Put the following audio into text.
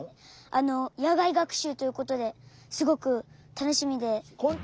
あの野外学習ということですごく楽しみで。